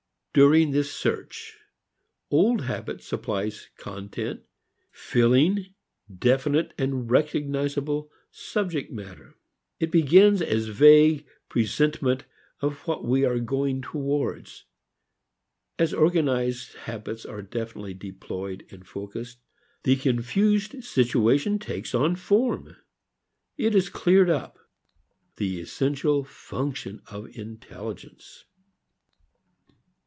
During this search, old habit supplies content, filling, definite, recognizable, subject matter. It begins as vague presentiment of what we are going towards. As organized habits are definitely deployed and focused, the confused situation takes on form, it is "cleared up" the essential function of intelligence.